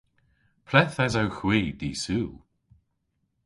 Ple'th esewgh hwi dy'Sul?